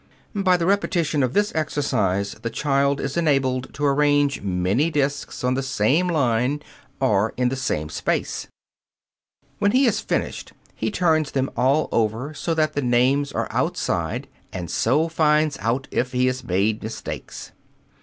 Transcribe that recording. By the repetition of this exercise the child is enabled to arrange many discs on the same line or in the same space. When he has finished, he turns them all over so that the names are outside, and so finds out if he has made mistakes.